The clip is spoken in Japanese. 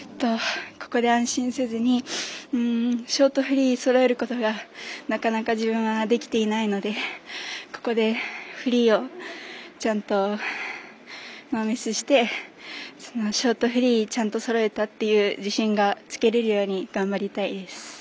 ここで安心せずにショート、フリーそろえることがなかなか自分はできていないのでここで、フリーをちゃんとノーミスしてショート、フリーちゃんとそろえたっていう自信がつけれるように頑張りたいです。